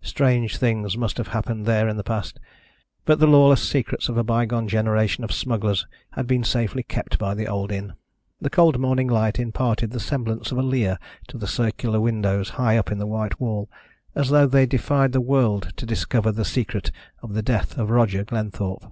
Strange things must have happened there in the past, but the lawless secrets of a bygone generation of smugglers had been safely kept by the old inn. The cold morning light imparted the semblance of a leer to the circular windows high up in the white wall, as though they defied the world to discover the secret of the death of Roger Glenthorpe.